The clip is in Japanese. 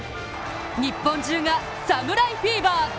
日本中が侍フィーバー！